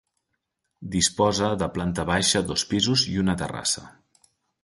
Disposa de planta baixa, dos pisos i una terrassa.